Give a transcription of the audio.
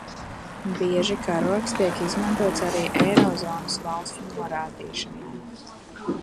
Bieži karogs tiek izmantots arī eirozonas valstu norādīšanai.